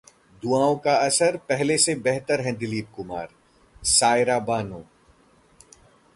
'दुआओं का असर, पहले से बेहतर हैं दिलीप कुमार': सायरा बानो